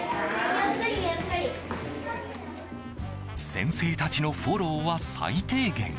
先生たちのフォローは最低限。